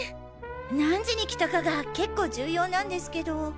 何時に来たかが結構重要なんですけど。